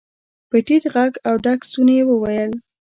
په ټيټ غږ او ډک ستوني يې وويل.